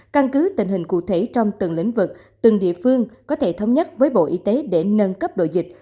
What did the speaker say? căn cứ tình hình cụ thể trong từng lĩnh vực từng địa phương có thể thống nhất với bộ y tế để nâng cấp đội dịch